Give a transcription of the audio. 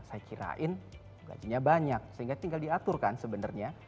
saya kirain gajinya banyak sehingga tinggal diaturkan sebenarnya